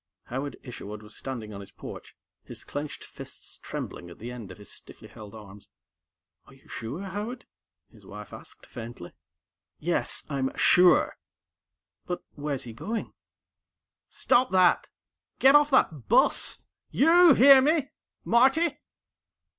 _" Howard Isherwood was standing on his porch, his clenched fists trembling at the ends of his stiffly held arms. "Are you sure, Howard?" his wife asked faintly. "Yes, I'm sure!" "But, where's he going?" "Stop that! Get off that bus! YOU hear me? Marty?"